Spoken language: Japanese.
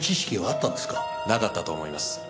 なかったと思います。